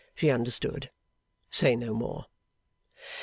She understood. Say no more!